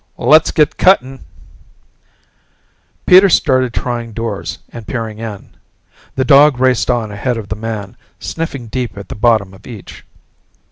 "Let's get cutting!" Peter started trying doors and peering in; the dog raced on ahead of the man, sniffing deep at the bottom of each.